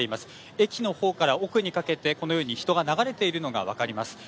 駅の方から奥にかけてこのように人が流れているのが分かります。